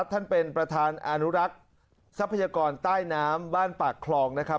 ท่านเป็นประธานอนุรักษ์ทรัพยากรใต้น้ำบ้านปากคลองนะครับ